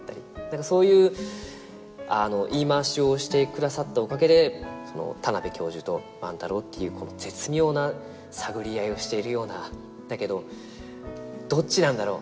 そういう言い回しをしてくださったおかげで田邊教授と万太郎っていう絶妙な探り合いをしているようなだけどどっちなんだろう？